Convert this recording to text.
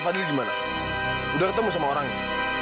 fadil dimana udah ketemu sama orangnya